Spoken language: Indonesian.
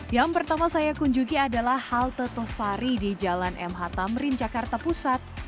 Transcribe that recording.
yang pertama saya kunjungi adalah halte tosari di jalan mh tamrin jakarta pusat